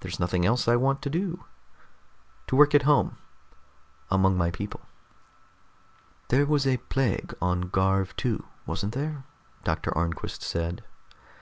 There's nothing else I want to do. To work at home, among my people." "There was a plague on Garv II, wasn't there?" Doctor Arnquist said.